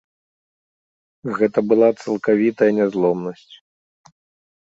Гэта была цалкавітая нязломнасць.